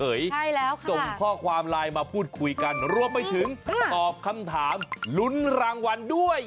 ใช่แล้วค่ะส่งข้อความไลน์มาพูดคุยกันรวมไปถึงตอบคำถามลุ้นรางวัลด้วย